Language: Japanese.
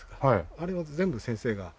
あれは全部先生が。